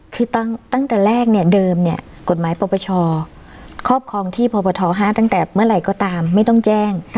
คือตั้งแต่แรกเนี่ยเดิมเนี่ยกฎหมายปปชครอบครองที่พบท๕ตั้งแต่เมื่อไหร่ก็ตามไม่ต้องแจ้ง